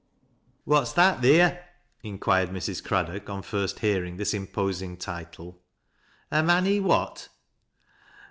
" What's that theer ?" inquired Mrs. Craddock on first hearing this imposing title. " A manny — what